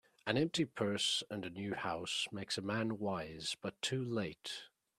An empty purse, and a new house, make a man wise, but too late